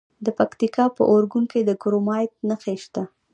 د پکتیکا په اورګون کې د کرومایټ نښې شته.